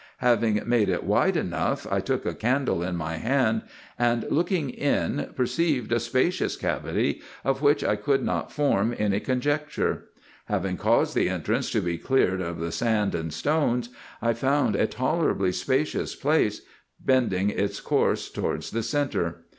Having made it wide enough, I took a candle in my hand, and, looking in, perceived a spacious cavity, of which I could not form any conjecture. Having caused the entrance to be cleared of the sand and stones, I found a tolerably spacious place, bending its course towards the centre.